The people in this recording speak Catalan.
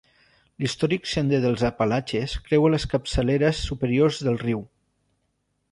L'històric sender dels Apalatxes creua les capçaleres superiors del riu.